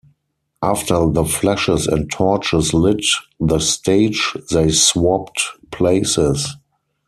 After the flashes and torches lit the stage, they swapped places.